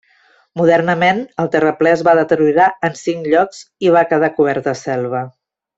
Modernament el terraplè es va deteriorar en cinc llocs i va quedar cobert de selva.